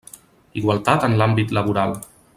Igualtat en l'àmbit laboral.